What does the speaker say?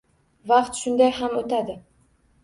Vaqt shunday ham o’tadi